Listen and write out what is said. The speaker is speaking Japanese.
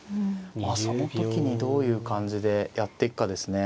まあその時にどういう感じでやっていくかですね。